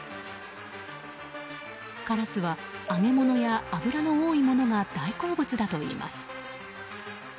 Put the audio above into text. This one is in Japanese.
カラスは揚げ物や脂の多いものが大好物だといいます。